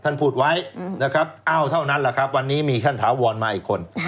ท่านพูดไว้เอาเท่านั้นแหละครับตอนนี้มีท่านถาวอนมาอีกคน